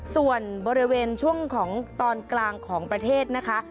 ส่วนบริเวณช่วงของตอนกลางของประเทศนะคะ